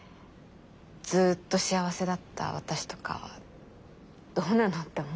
ずっと幸せだった私とかはどうなの？って思っちゃいます。